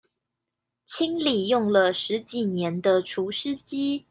清理用了十幾年的除濕機